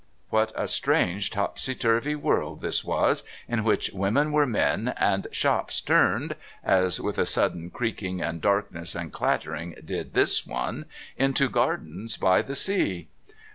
What a strange topsy turvy world this was in which women were men, and shops turned (as with a sudden creaking and darkness and clattering did this one) into gardens by the sea.